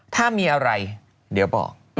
ถ้ามีอะไรเดี๋ยวบอก